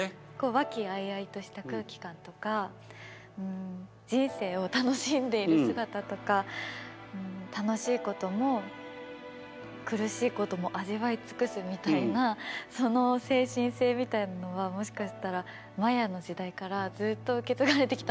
和気あいあいとした空気感とか人生を楽しんでいる姿とか楽しいことも苦しいことも味わい尽くすみたいなその精神性みたいなのはもしかしたらマヤの時代からずっと受け継がれてきたものなのかもしれないな。